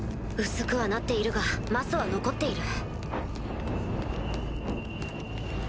薄くはなっているが魔素は残っている。